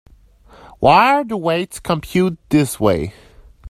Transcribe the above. Why are the weights computed this way?